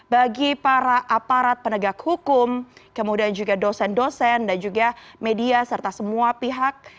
bagi para aparat penegak hukum kemudian juga dosen dosen dan juga media serta semua pihak